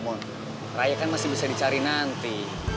raya kan masih bisa dicari nanti